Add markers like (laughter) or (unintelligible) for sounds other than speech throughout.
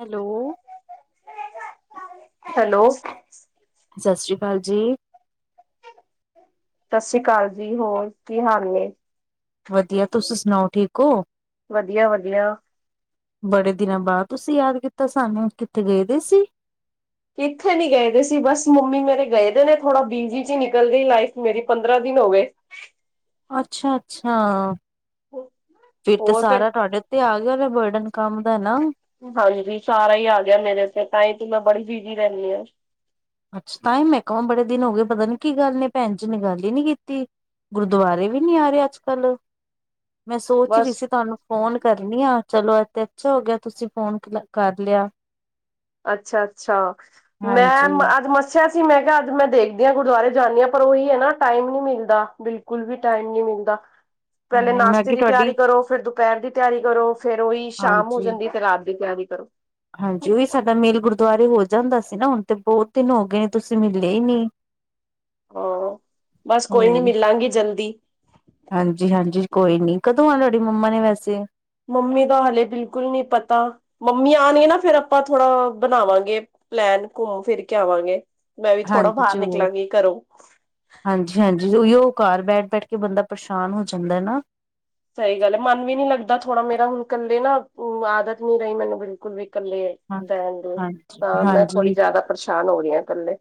Hello. Hello ਸਤਿ ਸਤਿ ਸ਼੍ਰੀ ਅਕਾਲ ਜੀ। ਸਤਿ ਸ੍ਰੀ ਅਕਾਲ ਜੀ ਹੋਰ ਕੀ ਹਾਲ ਨੇ। ਵਧੀਆ ਤੁਸੀ ਸੁਣਾਓ ਠੀਕ ਹੋ? ਵਧੀਆ, ਵਧੀਆ ਬੜੇ ਦਿਨਾਂ ਬਾਅਦ ਤੁਸੀਂ ਯਾਦ ਕੀਤਾ ਸਾਨੂੰ ਕਿੱਥੇ ਗਏ ਦੇ ਸੀ। ਕਿ ਇੱਥੇ ਨੀ ਗਏਦੇ ਸੀ, ਬਸ ਮੰਮੀ ਮੇਰੇ ਗਏ ਦੇ ਨੇ ਥੋੜਾ ਬਿਜੀ ਚ ਹੀ ਨਿਕਲ ਗਈ ਲਾਈਫ ਮੇਰੀ ਪੰਦਰਾਂ ਦਿਨ ਹੋ ਗਏ। ਅੱਛਾ, ਅੱਛਾ ਫਿਰ ਤੇ ਸਾਰਾ ਤੁਹਾਡੇ ਤੇ ਆ ਗਿਆ ਬਰਡਨ ਕੰਮ ਦਾ ਨਾ। ਹਾਂਜੀ ਸਾਰਾ ਹੀ ਆ ਗਿਆ ਮੇਰੇ ਉਤੇ, ਤਾਂ ਹੀ ਤੂੰ ਮੈਂ ਬੜੀ ਬਿਜੀ ਰਹਿੰਦੀ ਹਾਂ। ਤਾਈ ਮੈਂ ਕਹਿਮਾ ਬੜੇ ਦਿਨ ਹੋ ਗਏ ਪਤਾ ਨੀ ਕੀ ਗੱਲ ਨੇ ਭੈਣ ਜੀ ਨੇ ਗੱਲ ਹੀ ਨੀ ਕੀਤੀ। ਗੁਰਦੁਆਰੇ ਵੀ ਨੀ ਆ ਰਹੇ ਅੱਜ ਕੱਲ ਮੈਂ ਸੋਚ ਰਹੀ ਬਸ ਸੀ ਤੁਹਾਨੂੰ ਫੋਨ ਕਰਨੀ ਆ, ਚਲੋ ਇਥੇ ਅੱਛਾ ਹੋ ਗਿਆ, ਤੁਸੀਂ ਫੋਨ ਕਰ ਲਿਆ। ਅੱਛਾ, ਅੱਛਾ ਮੈਂ ਹਾਂਜੀ ਅ ਪੂਛਿਆ ਸੀ। ਮੈਂ ਕਿਹਾ ਅੱਜ ਮੈਂ ਦੇਖਦੀ ਹਾਂ ਗੁਰਦੁਆਰੇ ਜਾਂਦੀ ਹਾਂ ਪਰ ਉਹੀ ਹੈ ਨਾ, ਟਾਈਮ ਨੀ ਮਿਲਦਾ ਬਿਲਕੁਲ ਵੀ ਟਾਈਮ ਨੀ ਮਿਲਦਾ। (inaudible) ਪਹਿਲੇ ਹਾਂ ਮੈਂ ਨਾਸ਼ਤੇ ਕਿਹਾ ਦੀ ਤਿਆਰੀ ਤੁਹਾਡੀ ਕਰੋ, ਫਿਰ ਦੁਪਹਿਰ ਦੀ ਤਿਆਰੀ ਕਰੋ, ਫੇਰ ਉਹੀ ਸ਼ਾਮ ਹੋ ਹਾਂਜੀ ਜਾਂਦੀ ਤੇ ਰਾਤ ਦੀ ਤਿਆਰੀ ਕਰੋ। ਹਾਂਜੀ ਉਹੀ ਸਾਡਾ ਮੇਲ ਗੁਰਦੁਆਰੇ ਹੋ ਜਾਂਦਾ ਸੀ ਨਾ, ਹੁਣ ਤੇ ਬਹੁਤ ਦਿਨ ਹੋ ਗਏ ਨੇ ਤੁਸੀਂ ਮਿਲੇ ਹੀ ਨਹੀਂ। ਉਹ ਬਸ ਕੋਈ ਨੀ ਹੂੰ ਮਿਲਾਂਗੀ ਜਲਦੀ। ਹਾਂਜੀ, ਹਾਂਜੀ ਕੋਈ ਨੀ, ਕਦੋਂ ਆ ਤੁਹਾਡੀ ਮੰਮਾ ਨੇ ਵੈਸੇ ਮੰਮੀ ਦਾ ਹਾਲੇ ਬਿਲਕੁਲ ਨਹੀਂ ਪਤਾ। ਮੰਮੀ ਆਣ ਗੇ ਨਾ ਫੇਰ ਆਪਾਂ ਥੋੜਾ ਬਣਾਵਾਂਗੇ ਪਲੈਨ ਘੁੰਮ ਫਿਰ ਕੇ ਆਵਾਂਗੇ। ਮੈਂ ਵੀ ਥੋੜਾ ਹਾਂਜੀ ਬਾਹਰ ਜ਼ਰੂਰ ਨਿਕਲਾਂਗੀ ਘਰੋਂ ਹਾਂਜੀ, ਹਾਂਜੀ ਉਹੀ ਉਹ ਘ ਬੈਠ ਬੈਠ ਕੇ ਬੰਦਾ ਪਰੇਸ਼ਾਨ ਹੋ ਜਾਂਦਾ ਨਾ। ਸਹੀ ਗੱਲ ਹੈ, ਮਨ ਵੀ ਨੀ ਲੱਗਦਾ ਥੋੜਾ ਮੇਰਾ ਹੁਣ ਇਕੱਲੇ ਨਾ ਆਦਤ ਨੀ ਰਹੀ ਮੈਨੂੰ ਬਿਲਕੁਲ ਵੀ ਇਕੱਲੇ ਹਾਂ ਰਹਣ ਗੇ, ਹਾਂਜੀ ਤਾਂ ਮੈਂ ਥੋੜ੍ਹੀ ਹਾਂਜੀ ਜਿਆਦਾ ਪਰੇਸ਼ਾਨ ਹੋ ਰਹੀ ਹਾਂ ਕਲੇ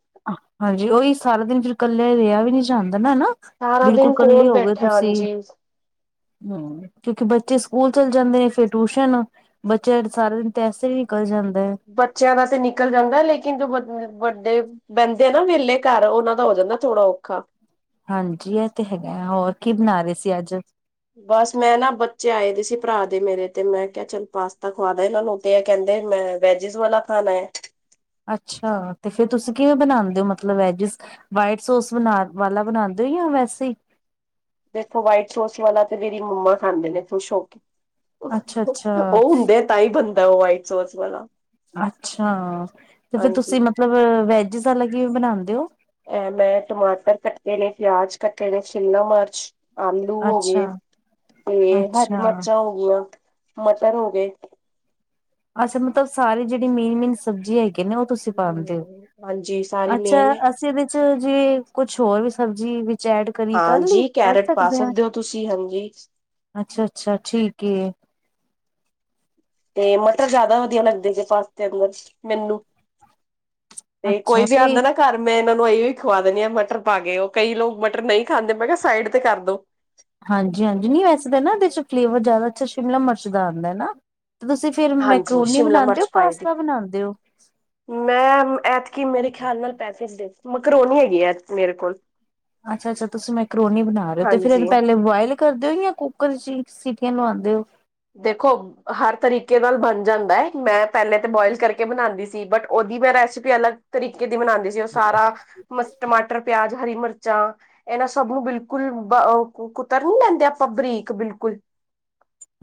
ਹਾਂਜੀ ਉਹੀ ਵੀ ਸਾਰਾ ਦਿਨ ਫਿਰ ਕੱਲੇ ਰਿਹਾ ਵੀ ਨਹੀਂ ਜਾਂਦਾ ਨਾ ਹੈਨਾ। ਸਾਰਾ ਬਿਲਕੁਲ ਦਿਨ ਇਕੱਲੇ ਕੌਣ ਹੋ ਗਏ ਬੈਠਿਆ ਤੁਸੀਂ, ਹਾਂਜੀ ਹੂ ਕਿਉਂਕਿ ਬੱਚੇ ਸਕੂਲ ਚੱਲ ਜਾਂਦੇ ਨੇ ਫੇਰ ਟਿਊਸ਼ਨ ਬੱਚਾ ਸਾਰਾ ਦਿਨ ਤਾਂ ਐਸੇ ਹੀ ਨਿਕਲ ਜਾਂਦਾ ਹੈ। ਬੱਚਿਆਂ ਦਾ ਤੇ ਨਿਕਲ ਜਾਂਦਾ ਲੇਕਿਨ ਜੋ ਵੱਡੇ ਬਹਿੰਦੇ ਆ ਨਾ ਵਿਹਲੇ ਘਰ ਉਹਨਾ ਦਾ ਹੋ ਜਾਂਦਾ ਥੋੜਾ ਔਖਾ ਹਾਂਜੀ ਇਹ ਤੇ ਹੈਗਾ, ਹੋਰ ਕੀ ਬਣਾ ਰਹੇ ਸੀ ਅੱਜ ਬਸ ਮੈਂ ਨਾ, ਬੱਚੇ ਆਏ ਦੇ ਸੀ ਭਰਾ ਦੇ ਮੇਰੇ ਤੇ ਮੈਂ ਕਿਹਾ ਚਲ ਪਾਸਤਾ ਖੁਵਾਦਾ ਇਹਨਾਂ ਨੂੰ ਤੇ ਏ ਕਹਿੰਦੇ ਵੈਜਿਸ ਵਾਲਾ ਖਾਣਾ ਹੈ। ਅੱਛਾ ਤੇ ਫੇਰ ਤੁਸੀਂ ਕਿਵੇਂ ਬਣਾਉਂਦੇ ਹੋ ਮਤਲਬ ਵੈਜੀਸ ਵਾਈਟ ਸੋਸ ਵਾਲਾ ਬਣਾਂਦੇ ਹੋ ਜਾਂ ਵੈਸੇ ਹੀ ਦੇਖੋ ਵਾਈਟ ਸੋਸ ਵਾਲਾ ਤੇ ਮੇਰੀ ਮੰਮਾ ਖਾਂਦੇ ਨੇ ਥੁਸ਼ ਹੋ ਕੇ। ਅੱਛਾ ਅੱਛਾ ਉਹ ਹੁੰਦੇ ਤਾਂ ਹੀ ਬਣਦਾ ਉਹ ਵਾਈਟ ਸੋਸ ਵਾਲਾ ਅੱਛਾ, ਤੇ ਫਿਰ ਹਾਂਜੀ ਤੁਸੀਂ ਮਤਲਬ ਵੈਜਿਸ ਵਾਲਾ ਕਿਵੇਂ ਬਣਾਉਂਦੇ ਹੋ। ਮੈਂ ਟਮਾਟਰ ਕੱਟੇ ਨੇ, ਪਿਆਜ ਕੱਟੇ ਨੇ, ਸ਼ਿਮਲਾ ਮਿਰਚ ਆਲੂ ਹੋ ਅੱਛਾ ਗਏ, ਤੇ ਹਰੀ ਅੱਛਾ ਮਿਰਚਾਂ ਹੋ ਗਇਆਂ, ਮਟਰ ਹੋ ਗਏ ਅੱਛਾ ਮਤਲਬ ਸਾਰੇ ਜਿਹੜੀ ਮੇਨ ਮੇਨ ਸਬੀਜਿਆ ਹੈਗੇ ਨੇ ਉਹ ਤੁਸੀਂ ਪਾਉਂਦੇ ਹੋ ਹਮ, ਹਾਂਜੀ ਸਾਰੀ ਅੱਛਾ ਮੇਨ ਹੈ ਇਹਦੇ ਵਿੱਚ ਜਿਵੇ ਕੁਛ ਹੋਰ ਵੀ ਸਬਜ਼ੀ ਵਿੱਚ ਐਡ ਕਰੀ ਕਰ ਲਈ ਹਾਂਜੀ ਕਰ ਕੈਰਟ ਪਾ ਹਾਂ ਸਕਦੇ ਹੋ ਤੁਸੀਂ ਹਾਂਜੀ ਅੱਛਾ ਅੱਛਾ ਠੀਕ ਏ ਤੇ ਮਟਰ ਜ਼ਿਆਦਾ ਵਧੀਆ ਲੱਗਦੇ ਗ ਪਾਸਤੇ ਅੰਦਰ ਮੈਨੂੰ ਤੇ ਕੋਈ ਅੱਛਾ ਵੀ ਤੇ ਆਉਂਦਾ ਨਾ ਘਰ ਮੈਂ ਇਹਨਾਂ ਨੂੰ ਇਹ ਵੀ ਖਵਾ ਦਿੰਦੀ ਹਾਂ ਮਟਰ ਪਾ ਕੇ ਉਹ, ਕਈ ਲੋਕ ਮਟਰ ਨਹੀਂ ਖਾਂਦੇ ਮੈਂ ਕਿਹਾ ਸਾਈਡ ਤੇ ਕਰ ਦੋ ਹਾਂਜੀ ਹਾਂਜੀ ਨਹੀਂ ਵੈਸੇ ਤਾਂ ਨਾ ਇਹਦੇ ਚ ਫਲੇਵਰ ਜ਼ਿਆਦਾ ਅੱਛਾ ਸ਼ਿਮਲਾ ਮਿਰਚ ਦਾ ਆਉਂਦਾ ਹੈ ਨਾ ਤੇ ਤੁਸੀਂ ਫੇਰ ਹਾਂਜੀ ਮੈਕਰੋਨੀ ਸ਼ਿਮਲਾ ਬਣਾਉਂਦੇ ਹੋ ਮਿਰਚ ਪਾਈ ਦੀ ਪਾਸਤਾ ਬਣਾਉਦੇ ਹੋ ਮੈਂ ਐਤਕੀ ਮੇਰੇ ਖਿਆਲ ਨਾਲ ਪੈਕੇਟ ਮਰਰੋਨੀ ਹੈਗੀ ਮੇਰੇ ਕੋਲ ਅੱਛਾ ਅੱਛਾ ਤੁਸੀਂ ਮੈਕਰੋਨੀ ਬਣਾ ਰਹੇ ਹੋ ਤੇ ਫਿਰ ਇਹਨੂੰ ਹਾਂਜੀ ਪਹਲੇ ਬਆਇਲ ਕਰਦੇ ਹੋ ਜਾਂ ਕੁੱਕਰ ਚ ਈ ਸੀਟਿਆਂ ਲਵਾਉਂਦੇ ਹੋ ਦੇਖੋ ਹਰ ਤਰੀਕੇ ਨਾਲ ਬਣ ਜਾਂਦਾ ਹੈ ਮੈਂ ਪਹਿਲੇ ਤੇ ਬੋਇਲ ਕਰਕੇ ਬਣਾਉਂਦੀ ਸੀ ਬਟ ਉਹਦੀ ਮੈਂ ਰੈਸਿਪੀ ਅਲੱਗ ਤਰੀਕੇ ਦੇ ਮਨਾਉਂਦੇ ਸੀ ਉਹ ਸਾਰਾ ਮ ਟਮਾਟਰ ਪਿਆਜ ਹਰੀ ਮਿਰਚਾਂ ਐ ਨਾਂ ਸਭ ਨੂੰ ਬਿਲਕੁਲ ਬ ਅ ਕੁ ਕੁਤਰ ਨੀ ਲੈਂਦੇ ਆਪਾਂ ਬਰੀਕ ਬਿਲਕੁਲ।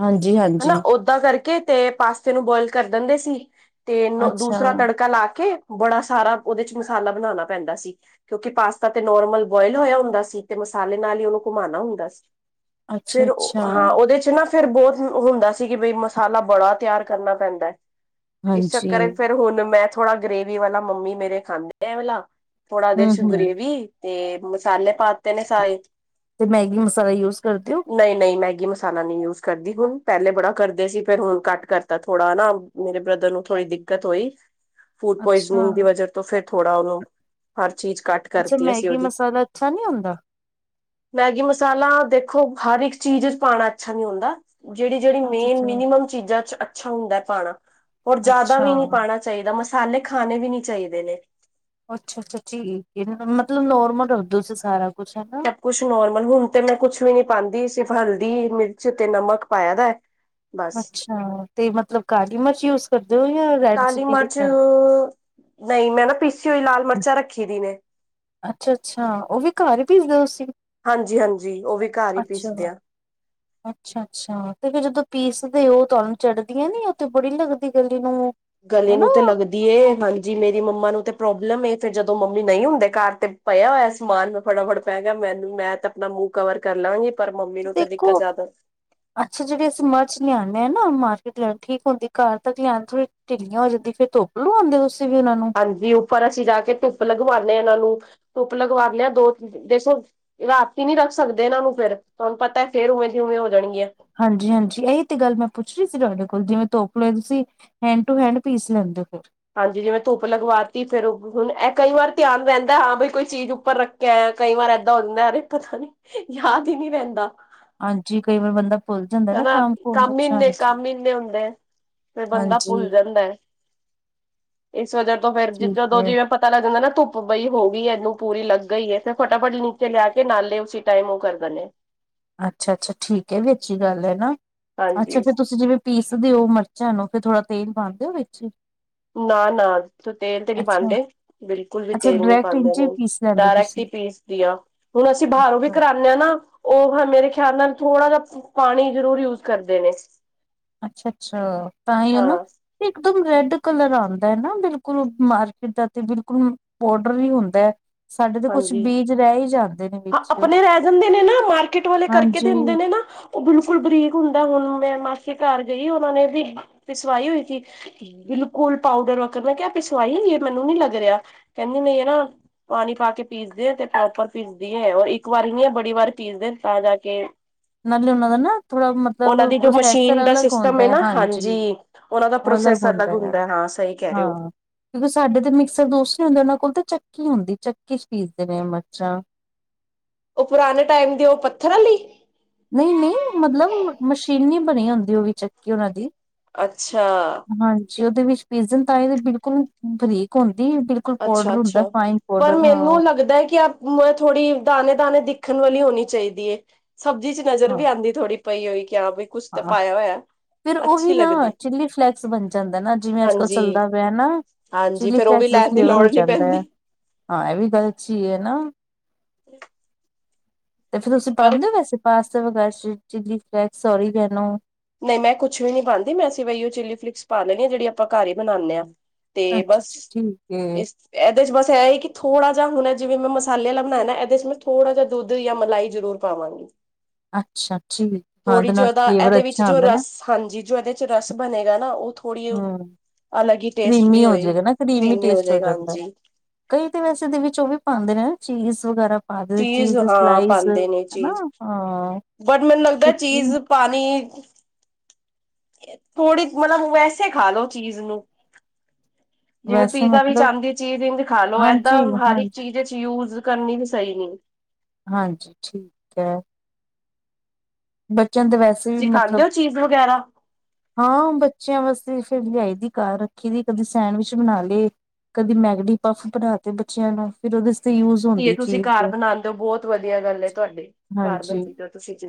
ਹਾਂਜੀ-ਹਾਂਜੀ। ਤਾਂ ਕਰਕੇ ਤੇ ਪਾਸਤੇ ਨੂੰ ਬੋਇਲ ਕਰ ਦਿੰਦੇ ਸੀ ਤੇ ਮ ਅੱਛਾ, ਦੂਸਰਾ ਤੜਕਾ ਲਾ ਕੇ ਬੜਾ ਸਾਰਾ ਓਦੇ 'ਚ ਮਸਾਲਾ ਬਣਾਣਾ ਪੈਂਦਾ ਸੀ। ਕਿਉਂਕਿ ਪਾਸਤਾ ਤੇ ਨੋਰਮਲ ਬੋਏਲ ਹੋਏਆ ਹੁੰਦਾ ਸੀ ਤੇ ਮਸਾਲੇ ਨਾਲ ਈ ਓਨੂੰ ਘੁਮਾਣਾ ਹੁੰਦਾ ਸ ਫਿਰ ਅੱਛਾ-ਅੱਛਾ ਹਾਂ, ਓਦੇ 'ਚ ਨਾ ਪਿਰ ਬੋਤ ਹੁੰਦਾ ਸੀ ਕਿ ਬਈ ਮਸਾਲਾ ਬੜਾ ਤਿਆਰ ਕਰਨਾ ਪੈਂਦੈ। ਇਸ ਹਾਂਜੀ ਚੱਕਰ ਫੇਰ ਹੁਣ ਮੈਂ ਥੋੜਾ ਗ੍ਰੇਵੀ ਵਾਲਾ ਮੰਮੀ ਮੇਰੇ ਖਾਂਦੇ ਐ ਵਾਲਾ। ਥੋੜਾ ਏਦੇ 'ਚ ਹੂੰ-ਹੂੰ। ਗ੍ਰੇਵੀ ਤੇ ਮਸਾਲੇ ਪਾ ਤੇ ਨੇ ਸਾਰੇ। ਤੇ ਮੈਗੀ ਮਸਾਲਾ ਯੂਜ ਕਰਦੇ ਹੋ? ਨਈ-ਨਈ ਮੈਗੀ ਮਸਾਲਾ ਨੀ ਯੂਜ਼ ਕਰਦੀ ਹੁਣ। ਪੈਲੇ ਬੜਾ ਕਰਦੇ ਸੀ ਫੇਰ ਹੁਣ ਘੱਟ ਕਰਤੈ ਥੋੜਾ ਨਾ, ਮੇਰੇ ਬ੍ਰਦਰ ਨੂੰ ਥੋੜੀ ਦਿੱਕਤ ਹੋਈ ਫੂਡ ਅੱਛਾ। ਪੋਇਜ਼ਨਿੰਗ ਦੀ ਵਜ੍ਹਾ ਤੋਂ ਫੇਰ ਥੋੜਾ ਓਨੂੰ ਹਰ ਚੀਜ਼ ਘੱਟ ਅੱਛਾ, ਕਰਤੀ ਅਸੀਂ ਮੈਗੀ ਉਹਦੀ ਮਸਾਲਾ ਅੱਛਾ ਨੀ ਹੁੰਦਾ? ਮੈਗੀ ਮਸਾਲਾ ਦੇਖੋ ਹਰ ਇੱਕ ਚੀਜ਼ ਇੱਚ ਪਾਣਾ ਅੱਛਾ ਨੀ ਹੁੰਦਾ। ਜੜੀ ਜੜੀ ਮੇਨ ਅੱਛਾ-ਅੱਛਾ, ਮਿਨੀਮਮ ਚੀਜ਼ਾਂ 'ਚ ਅੱਛਾ ਹੁੰਦੈ ਪਾਣਾ ਔਰ ਜਾਦਾ ਵੀ ਨੀ ਅੱਛਾ। ਪਾਣਾ ਚਾਈਦਾ। ਮਸਾਲੇ ਖਾਣੇ ਵੀ ਨੀ ਚਾਈਦੇ ਨੇ। ਅੱਛਾ-ਅੱਛਾ ਠੀਕ ਏ ਨਾ ਮਤਲਬ ਨੋਰਮਲ ਰੱਖਦੇ ਓ ਤੁਸੀ ਸਾਰਾ ਕੋਛ, ਹੈ ਨਾ। ਸਭ ਕੁਛ ਨੋਰਮਲ ਹੁਣ ਤੇ ਮੈਂ ਕੁਛ ਵੀ ਨੀ ਪਾਂਦੀ ਸਿਰਫ ਹਲਦੀ, ਮਿਰਚ ਤੇ ਨਮਕ ਪਾਇਆ ਦੈ। ਅੱਛਾ ਤੇ ਮਤਲਬ ਕਾਲੀ ਮਰਚ ਯੂਜ ਕਰਦੇ ਓ ਯਾਂ ਕਾਲੀ ਮਰਚ ਨਈ ਮੈਂ ਨਾ ਪੀਸੀ ਹੋਈ ਲਾਲ ਮਰਚਾਂ ਰੱਖੀ ਦੀ ਨੇ। ਅੱਛਾ-ਅੱਛਾ ਓ ਵੀ ਘਾਰ ਈ ਪੀਸਦੇ ਓ ਤੁਸੀ। ਹਾਂਜੀ-ਹਾਂਜੀ ਓ ਵੀ ਘਾਰ ਈ ਪੀਸਦੇ ਆਂ। ਅੱਛਾ-ਅੱਛ ਛਾ ਤੇ ਫੇਰ ਜਦੋਂ ਪੀਸਦੇ ਓ ਤੁਆਨੂੰ ਚੜਦੀਆਂ ਨੀ ਐ ਤੇ ਬੜੀ ਲੱਗਦੀ ਗਲੀ ਨੂੰ। ਗਲੇ ਹਨਾ ਨੂੰ ਤੇ ਲੱਗ ਦੀ ਏ। ਹਾਂਜੀ ਮੇਰੀ ਮੰਮਾ ਨੂੰ ਤੇ ਪ੍ਰੋਬਲਮ ਏ ਫਿਰ ਜਦੋਂ ਮੰਮੀ ਨਈ ਹੁੰਦੇ ਘਰ ਤੇ ਪਏਆ ਹੋਏਆ ਸਮਾਨ ਮੈਂ ਫਟਾਫਟ ਪੈਂ ਗੇਆ ਮੈਨੂੰ ਮੈਂ ਤਾਂ ਆਪਣਾ ਮੂੰਹ ਕਵਰ ਕਰ ਲਾਂਗੀ ਪਰ ਮੰਮੀ ਨੂੰ ਤਾਂ ਦਿੱਕਤ ਦੇਖੋ ਜ਼ਿਆਦਾ ਅੱਛਾ ਜੜੀ ਅਸੀ ਮਰਚ ਲਿਆਨੇਂ ਆ ਨਾ ਮਾਰਕੀਟ ਲੀਆਨ ਠੀਕ ਹੋਂਦੀ ਘਰ ਤੱਕ ਲਿਆਨ ਥੋੜੀ ਢਿੱਲੀਆਂ ਹੋ ਜਾਂਦੀ ਫਿਰ ਧੋਪ ਲੂਆਂਦੇ ਓ ਤੁਸੀ ਵੀ ਓਨਾਂ ਨੂੰ। ਹਾਂਜੀ ਉੱਪਰ ਅਸੀਂ ਜਾ ਕੇ ਧੁੱਪ ਲਗਵਾਨੇ ਆਂ ਏਨਾਂ ਨੂੰ ਧੁੱਪ ਲਗਵਾ ਲਿਆ। ਦੋ ਦੇਸੋ ਰਾਤੀ ਨੀ ਰੱਖ ਸਕਦੇ ਏਨਾਂ ਨੂੰ ਫੇਰ, ਤੁਆਨੂੰ ਪਤੈ ਫੇਰ ਉਵੇਂ ਦੀ ਉਵੇਂ ਹੋ ਜਾਣਗੀਆਂ। ਹਾਂਜੀ-ਹਾਂਜੀ ਐਈ ਤੇ ਗੱਲ ਮੈਂ ਪੁੱਛ ਰੀ ਸੀ ਤੁਆਡੇ ਕੋਲ ਜਿਵੇਂ ਧੋਪ ਲੇ ਤੁਸੀ ਹੈਂਡ ਟੂ ਹੈਂਡ ਪੀਸ ਲੈਂਦੇ ਓ ਫੇਰ। ਹਾਂਜੀ, ਜਿਵੇਂ ਧੁੱਪ ਲਗਵਾ ਤੀ ਫੇਰ ਹੂਨ ਐ ਕਈ ਵਾਰ ਧਿਆਨ ਰੈਂਦੈ ਹਾਂ ਬਈ ਕੋਈ ਚੀਜ਼ ਉੱਪਰ ਰੱਖ ਕੈ ਕਈ ਵਾਰ ਐਦਾਂ ਹੋਂਦੈ ਰੇ ਪਤਾ ਨੀ ਯਾਦ ਈ ਨੀ ਰੈਂਦਾ। ਹਾਂਜੀ ਕਈ ਵਾਰ ਬੰਦਾ ਭੁੱਲ ਜਾਂਦਾ ਹੈ ਨਾ ਕੁਮ ਕੰਮ ਈ ਵਿੱਚ ਇੰਨੇ, ਹਾਂਜੀ ਕੰਮ ਈ ਇੰਨੇ ਹੁੰਦੇ ਐ। ਫੇਰ ਬੰਦਾ ਹਾਂਜੀ ਭੁੱਲ ਜਾਂਦੈ। ਇਸ ਵਜ੍ਹਾ ਤੋਂ ਫੇਰ ਠੀਕ ਜਿਦੋਂ ਦੋ ਹੈ ਜਿਵੇਂ ਪ ਤਾ ਲੱਗ ਜਾਂਦਾ ਨਾ ਧੁੱਪ ਬਈ ਹੋ ਗੀ ਏ, ਏਨੂੰ ਪੂਰੀ ਲੱਗ ਗਈ ਏ ਤੇ ਫਟਾਫਟ ਨੂ ਤੇ ਲਿਆ ਕੇ ਨਾਲੇ ਉਸੀ ਟਾਈਮ ਓ ਕਰ ਦੇਣੇ। ਅੱਛਾ-ਅੱਛਾ ਠੀਕ ਏ ਐ ਵੀ ਅੱਛੀ ਗੱਲ ਐ ਨਾ, ਅੱਛਾ ਹਾਂਜੀ ਫੇਰ ਤੁਸੀਂ ਜਿਵੇਂ ਪੀਸਦੇ ਓ ਮਰਚਾਂ ਨੂੰ ਫੇਰ ਥੋੜਾ ਤੇਲ ਪਾਂਦੇ ਓ ਵਿੱਚ? ਨਾ-ਨਾ (unintelligible) ਤੇਲ ਤੇ ਨੀ ਅੱਛਾ ਪਾਂਦੇ, ਬਿਲਕੁਲ ਵੀ ਅੱਛਾ ਤੇਲ ਨੀ ਡਾਇਰੈਕਟ ਪਾਂਦੇ ਇੰਝ ਹੀ ਹੋਨ। ਪੀਸ ਲੈਂਦੇ ਹੋ ਡਾਇਰੈਕਟ ਈ ਤੁਸੀਂ ਪੀਸ ਦੀਆ। ਹੁਣ ਅਸੀ ਬਾਹਰੋਂ ਵੀ ਅੱਛਾ ਕਰਾਨੇ ਆ ਨਾ ਓਹ ਮੇਰੇ ਖਿਆਲ ਨਾਲ ਥੋੜਾ ਜਾ ਪਾਣੀ ਜਰੂਰ ਯੂਜ਼ ਕਰਦੇ ਨੇ। ਅੱਛਾ-ਅੱਛਾ ਤਾਂਈ ਓ ਨਾ ਹਾਂ ਇੱਕ ਦਮ ਰੈਡ ਕਲਰ ਆਂਦਾ ਹੈ ਨਾ ਬਿਲਕੁਲ ਮਾਰਕੀਟ ਦਾ ਤੇ ਬਿਲਕੁਲ ਪਾਊਡਰ ਵੀ ਹੁੰਦਾ ਸਾਡੇ ਤਾਂ ਕੁਛ ਹਾਂਜੀ। ਬੀਜ ਰਏ ਈ ਜਾ ਆਪਣੇ ਰਏ ਜਾਂਦੇ ਨੇ ਨਾਮਾਰਕੀਟ ਵਾਲੇ ਕਰਕੇ ਹਾਂਜੀ ਦਿੰਦੇ ਨੇ ਨਾ ਓ ਬਿਲਕੁਲ ਬਰੀਕ ਹੁੰਦਾ ਹੁਣ ਮੈਂ ਮਾਸੀ ਘਰ ਗਈ ਉਹਨਾ ਨੇ ਵੀ ਪਿਸਵਾਈ ਹੋਈ ਸੀ। ਬਿਲਕੁਲ ਪਾਊਡਰ ਵਕਨ ਮੈਂ ਕਿਆ ਪਿਸਵਾਈ ਇਹ ਮੈਨੂੰ ਨੀ ਲੱਗ ਰਿਆ ਕੈਂਦੀ ਨੇ ਇਹ ਨਾ ਪਾਣੀ ਪਾ ਕੇ ਪੀਸਦੇ ਤੇ (unintelligible) ਓ ਇੱਕ ਵਾਰ ਨੀ ਬੜੀ ਵਾਰ ਪੀਸਦੇ ਤਾਂ ਜਾ ਕੇ ਨਾਲੇ ਉਹਨਾਂ ਦਾ ਨਾ ਥੋੜਾ ਉਹਨਾਂ ਮਤਲਬ ਦੀ ਜੋ ਮਸ਼ੀਨ ਪ੍ਰੋਸੈਸਰ ਦਾ ਅਲੱਗ ਸਿਸਟਮ ਹੁੰਦਾ ਹੈ ਨਾ ਹਾਂਜੀ। ਉਹਨਾਂ ਦਾ ਅਲੱਗ ਪ੍ਰੋਸੈਸ ਹੁੰਦਾ ਆ ਹਾਂ ਸਹੀ ਕਹਿ ਰਹੇ ਹੋ ਹਾਂ। ਸਾਡੇ ਤੇ ਮਿਕਸਰ ਦੂਸਰੇ ਹੁੰਦੇ ਉਹਨਾਂ ਕੋਲ ਤੇ ਚੱਕੀ ਹੁੰਦੀ ਚੱਕੀ 'ਚ ਪੀਸਦੇ ਨੇ ਮਰਚਾਂ ਓ ਪੁਰਾਣੇ ਟੈਮ ਦੇ ਉਹ ਪੱਥਰ ਅਲੀ ਨਈ-ਨਈ ਮਤਲਬ ਮਸ਼ੀਨੀ ਦੀ ਬਣੀ ਹੁੰਦੀ ਓ ਵੀ ਚੱਕੀ ਉਹਨਾਂ ਦੀ ਅੱਛਾ ਹਾਂਜੀ ਉਹਦੇ ਵਿੱਚ ਪੀਜਨ ਤਾਂ ਇਹਦੇ ਬਿਲਕੁਲ ਬਰੀਕ ਹੁੰਦੀ ਬਿਲਕੁਲ ਪਾਊਡਰ ਅੱਛਾ-ਅੱਛਾ ਹੁੰਦਾ ਫਾਈਨ ਪਰ ਪਾਊਡਰ ਹਾਂ ਮੈਨੂੰ ਲੱਗਦਾ ਹੈ ਕਿ ਅਬ- ਥੋੜ੍ਹੀ ਦਾਣੇ-ਦਾਣੇ ਦਿੱਖਣ ਵਾਲੀ ਹੋਣੀ ਚਾਹੀਦੀ ਏ ਸਬਜ਼ੀ 'ਚ ਨਜ਼ਰ ਹਾਂ ਵੀ ਆਂਦੀ ਥੋੜੀ ਪਈ ਉਹੀ ਕਿਹਾ ਬਈ ਕੁਛ ਤੇ ਹਾਂ ਪਾਇਆ ਹੋਇਆ। ਫਿਰ ਅੱਛੀ ਉਹੀ ਨਾ ਲੱਗਦੀ। ਚਿੱਲੀ ਫਲੇੈਕਸ ਬਣ ਜਾਂਦਾ ਹੈ ਨਾ ਜਿਵੇਂ ਅੱਜ-ਕੱਲ ਚੱਲਦਾ ਪਿਆ ਨਾ। ਹਾਂਜੀ ਫੇਰ ਓ ਵੀ ਲੈ ਵਰ ਹੋ ਜਾਂਦਾ ਹੈ ਹਾਂ ਇਹ ਵੀ ਗੱਲ ਅੱਛੀ ਹੈ ਨਾ (inaudible) ਤੇ ਫਿਰ ਤੁਸੀਂ ਪਰ ਪਾਂਦੇ ਹੋ ਵੈਸੇ ਪਾਸਤਾ ਵਗੈ ਚਿੱਲੀ ਫਲੈਕਸ ਔਰੀਗੈਨੋ ਨਹੀਂ ਮੈਂ ਕੁਛ ਵੀ ਨੀ ਪਾਦੀ ਮੈਂ ਸੀ ਵਹੀ ਓ ਚਿੱਲੀ ਫਲਿਕਸ ਪਾ ਲੈਣੀ ਆ ਜਿਹੜੀ ਆਪਾਂ ਘਰ ਹੀ ਬਣਾਣੇ ਆਂ। ਤੇ ਅੱਛਾ ਬਸ ਅੱਛਾ ਠੀਕ ਹੈ ਇਸ ਇਹਦੇ 'ਚ ਬਸ ਇਹ ਹੈ ਕਿ ਥੋੜਾ ਜਿਹਾ ਹੁਣ ਜਿਵੇਂ ਮੈਂ ਮਸਾਲੇ ਲ ਬਣਾਏ ਨਾ ਇਹਦੇ 'ਚ ਮੈਂ ਥੋੜਾ ਜਿ ਦੱਧ ਜਾਂ ਮਲਾਈ ਜਰੂਰ ਪਾਵਾਂ (inaudible) ਅੱਛਾ-ਅੱਛਾ ਹਾਂ ਦੇ ਨਾਲ ਇਹਦਾ ਫਲੇਵਰ ਇਹਦੇ 'ਚ ਵਿੱਚ ਜੋ ਰਸ ਹਾਂਜੀ ਜੋ ਇਹਦੇ 'ਚ ਰਸ ਬਣੇਗਾ ਨਾ ਓ ਥੋੜੀ ਹਮ ਅਲਗ ਹੀ ਟੇਸਟ ਕਰੀਮੀ ਦੀ ਹੋ ਹੋਏ ਜਾਏਗਾ ਨਾ ਕਰੀਮੀ ਕਰ੍ਰੀਮੀ ਹੋ ਟੇਸਟ ਜਾਏਗਾ ਜਾਂਦਾ ਹਾਂਜੀ। ਕਈ ਤਾਂ ਵੈਸੇ ਦੇ ਵਿੱਚ ਉਹ ਵੀ ਪਾਂਦੇ ਨੇ ਚੀਜ਼ ਵਗੈਰਾ ਚੀਜ਼ ਹਾਂ ਸਲਾਈਜ਼ ਪਾਉਂਦੇ ਨੇ ਹੈਣਾ ਚੀਜ਼ ਹਾਂ। ਬਟ ਮੈਨੂੰ ਲੱਗਦਾ ਚੀਜ਼ ਪਾਣੀ ਥੋੜੀ ਮਤਲਬ ਵੈਸੇ ਖਾ ਲਓ ਚੀਜ਼ ਨੂੰ ਜਿਵੇਂ ਵੈਸੇ ਪੀਜ਼ਾ ਵੀ ਮਤਲਬ ਆਂਦੀ ਚੀਜ਼ ਇੱਜ਼ ਖਾ ਲੋੋ ਏਦਾਂ ਹਾਂਜੀ ਹਰ ਇੱਕ ਹਾਂਜੀ ਚੀਜ਼ 'ਚ ਯੂਜ ਕਰਨੀ ਵੀ ਸਈ ਨਈ। ਹਾਂਜੀ ਠੀਕ ਹੈ। ਬੱਚਿਆਂ ਦੇ ਵੈਸੇ ਵੀ ਤੁਸੀਂ ਮਤਲਬ ਖਾਂਦੇ ਹੋ ਚੀਜ਼ ਵਗੈਰਾ ਹਾਂ ਬੱਚਿਆਂ ਵਾਸਤੇ ਫਿਰ ਲਿਆਈ ਦੀ ਘਰ ਰੱਖੀ ਦੀ ਕਦੀ ਸੈਂਡਵਿਚ ਬਣਾ ਲਏ। ਕਦੀ ਮੈਗਡੀ ਪਫ ਬਣਾ ਤੇ ਬੱਚਿਆਂ ਨੂੰ ਫਿਰ ਉਦੇ ਯੂਜ ਹੁੰਦੀ ਤੁਸੀਂ ਚੀਜ਼ ਘਰ ਬਣਾਂਦੇ ਹੋ ਬਹੁਤ ਵਧੀਆ ਗੱਲ ਤੁਹਾਡੇ ਘਰ ਹਾਂਜੀ ਬਣਾਈ ਤਾਂ ਤੁਸੀਂ 'ਚ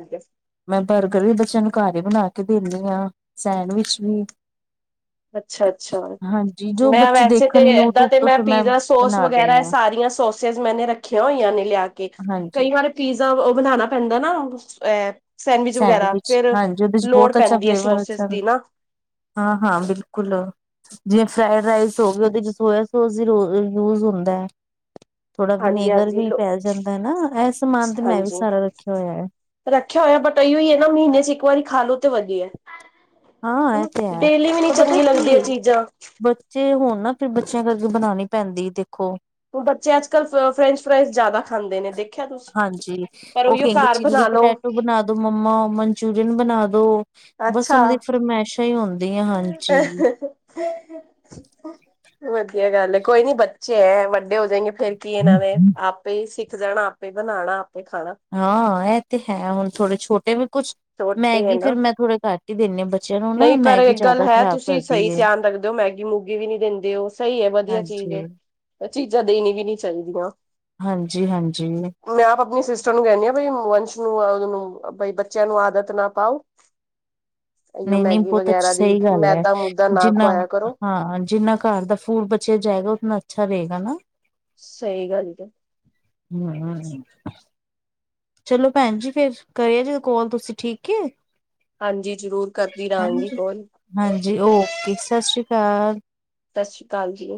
ਮੈਂ ਬਰਗਰ ਵੀ ਬੱਚਿਆਂ ਨੂੰ ਘਰ ਈ ਬਣਾ ਕੇ ਦਿੰਦੀ ਹਾਂ ਸੈਂਡਵਿਚ ਵੀ (unintelligible) ਅੱਛਾ-ਅੱਛਾ ਹਾਂਜੀ ਜੋ ਮੈਂ ਬੱਚੇ ਵੈਸੇ ਤੇ ਦੇਖਣ ਏਦਾਂ ਯੂਟਿਊਬ ਤੇ ਤੋਂ ਮੈਂ ਫਿਰ ਪੀਜ਼ਾ ਸੋਸ ਬਣਾ ਵਗੈਰਾ ਦਿੰਦੀ ਹਾਂ ਸਾਰੀਆਂ ਸੋਸ ਮੈਨੇ ਰੱਖੀਆਂ ਹੋਈਆਂ ਨੇ ਲਿਆ ਕੇ ਹਾਂਜੀ ਕਈ ਵਾਰ ਪੀਜ਼ਾ ਉਹ ਬਣਾਣਾ ਪੈਂਦਾ ਨਾ ਐ ਸੈਂਡਵਿਚ ਵਗੈਰਾ, ਫੇਰ ਹਾਂਜੀ ਉਹਦੇ ਚ ਲੋੜ ਬਹੁਤ ਅੱਛਾ ਪੈਂਦੀ ਹੈ ਫਲੇਵਰ ਸੋਸਿਸ ਅੱਛਾ ਦੀ ਨਾ। ਹੁੰਦਾ। ਹਾਂ- ਹਾਂ, ਬਿਲਕੁਲ ਜਿਵੇ ਫਰਾਡ ਰਈਸ ਹੋ ਗਏ ਚ' ਸੋਇਆ ਸੋਸ ਯੂਜ ਹੁੰਦਾ ਹੈ। ਥੋੜਾ ਹਾਂਜੀ ਵਿਨੇਗਰ ਹਾਂਜੀ ਵੀ ਲੋ ਪੈ ਜਾਂਦਾ ਹੈ ਨਾ ਇਹ ਸਮਾਨ ਤੇ ਮੈਂ ਵੀ ਹਾਂਜੀ ਸਾਰਾ ਰੱਖਿਆ ਹੋਇਆ ਹੈ। ਰੱਖਿਆ ਹੋਇਆ ਬਟ ਇ ਹੀ ਹੈ ਨਾ ਮਹੀਨੇ ਚ' ਇੱਕ ਵਾਰੀ ਖਾ ਲੋ ਤੇ ਵਧਿਆ ਹੈ। ਹਾਂ ਇਹ ਹਨਾ, ਤੇ ਹੈ ਡੇਲੀ ਵੀ ਨਹੀਂ ਚੰਗੀ ਲੱਗਦੀਆਂ ਚੀਜ਼ਾਂ। ਜੇ ਹੁਣ ਨਾ ਫਿਰ ਬੱਚਿਆਂ ਕਰਕੇ ਬਣਾਉਣੀ ਪੈਂਦੀ ਦੇਖੋ। ਹ ਬੱਚੇ ਅੱਜ ਕੱਲ ਫਰੈਂਚ ਫਰਾਈਜ਼ ਜ਼ਿਆਦਾ ਖਾਂਦੇ ਨੇ ਦੇਖ। ਹਾਂਜੀ। ਉਹ ਕਹਿੰਦੀ ਚਿੱਲੀ ਬਣਾ ਲੋ ਪਟੈਟੋ ਬਣਾ ਦੋ ਮੰਮਾ ਮਨਚੂਰੀਅਨ ਬਣਾ ਦੋ ਬਸ ਉਹਨਾਂ ਦੀ ਅੱਛਾ ਫਰਮਾਇਸ਼ ਹੀ ਹੁੰਦੀ ਆ ਹਾਂਜੀ। ਵਧੀਆ ਗੱਲ ਹੈ ਕੋਈ ਨੀ ਬੱਚੇ ਹੈ ਵੱਡੇ ਡੇ ਹੋ ਜਾਏਗੇ ਫੇਰ ਕੀ ਇਹਨਾਂ ਨੇ ਆਪੇ ਹੀ ਸਿੱਖ ਜਾਣਾ। ਆਪੇ ਬਣਾਣਾ ਆਪੇ ਖਾਣਾ ਹਾਂ, ਇਹ ਤੇ ਹੈ ਹੁਣ ਥੋੜੇ ਛੋਟੇ ਵੀ ਕੁਛ ਛੋਟੇ ਹੈ ਮੈਗੀ ਫੇਰ ਨਾ ਮੈਂ ਥੋੜ੍ਹੇ ਕੱਟ ਹੀ ਦਿੰਦੀ ਹਾਂ ਬੱਚਿਆਂ ਨੂੰ ਨਾ ਨਹੀਂ ਪਰ ਮੈਗੀ ਇੱਕ ਗੱਲ ਜ਼ਿਆਦਾ ਹੈ ਖਰਾਬ ਤੁਸੀਂ ਕਰਦੀ ਸਹੀ ਏ ਧਿਆਨ ਰੱਖਦੇ ਹੋ ਮੈਗੀ -ਮੂਗੀ ਵੀ ਨਹੀਂ ਦਿੰਦੇ ਉਹ ਸਹੀ ਹੈ ਵਧੀਆ ਚੀਜ਼ ਹੈ। ਹਾਂਜੀ ਚੀਜ਼ਾਂ ਦੇਣੀਆਂ ਵੀ ਨਹੀਂ ਚਾਹੀਦੀਆਂ। ਹਾਂਜੀ- ਹਾਂਜੀ। ਮੈਂ ਆਪਣੀ ਸਿਸਟਰ ਨੂੰ ਕਹਿਣੀ ਆਂ ਬਈ ਵੰਸ਼ ਨੂੰ ਉਹ ਨੂੰ ਬਈ ਬੱਚਿਆਂ ਨੂੰ ਆਦਤ ਨਾ ਪਾਓ। ਇਓ ਨਹੀਂ -ਨਹੀਂ ਮੈਗੀ ਬਹੁਤ ਅ ਵਗੈਰਾ ਦੀ ਸਹੀ ਗੱਲ ਹੈ ਮੈਦਾ ਮੂਦਾ ਨਾ ਜਿੰਨਾ ਖਵਾਇਆ ਕਰੋ ਹਾਂ, ਜਿੰਨਾ ਘਰ ਦਾ ਫੂਲ ਬਚਿਆ ਜਾਏਗਾ ਉਤਨਾ ਅੱਛਾ ਰਹੇਗਾ ਨਾ। ਸਹੀ ਗੱਲ ਹੈ। ਹੂ- ਹੂ- ਹੂ ਚਲੋ ਭੈਣ ਜੀ ਫੇਰ ਕਰਿਆ ਜੇ ਕੋਲ ਤੁਸੀਂ ਠੀਕ ਏ। ਹਾਂਜੀ ਜ਼ਰੂਰ ਕਰਦੀ ਰਹਾਂਗੀ ਕੋਲ। ਹਾਂਜੀ ਓਕੇ, ਸਤਿ ਸ਼੍ਰੀ ਅਕਾਲ। ਸਤਿ ਸ੍ਰੀ ਅਕਾਲ ਜੀ।